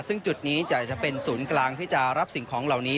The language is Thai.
ซึ่งจุดนี้จะเป็นศูนย์กลางที่จะรับสิ่งของเหล่านี้